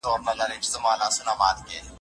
دروېش مدام وړي هر تاوان له خپله قامه سره